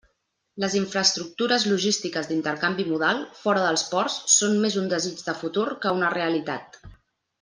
Les infraestructures logístiques d'intercanvi modal, fora dels ports, són més un desig de futur que una realitat.